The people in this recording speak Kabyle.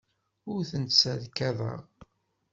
Ur tent-sserkadeɣ.